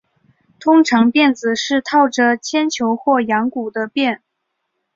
通常鞭子是套着铅球或羊骨的鞭。